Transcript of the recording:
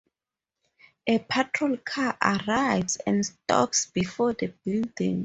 A patrol car arrives and stops before the building.